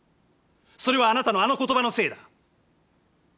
それはあなたのあの言葉のせいだ。